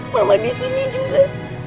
mama disini juga